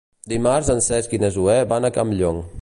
Dimarts en Cesc i na Zoè van a Campllong.